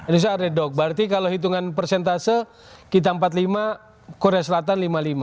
ini sehari dok berarti kalau hitungan persentase kita empat puluh lima korea selatan lima puluh lima